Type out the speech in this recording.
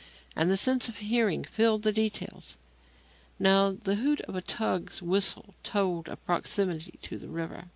And the sense of hearing filled in the details. Now the hoot of a tug's whistle told of proximity to the river.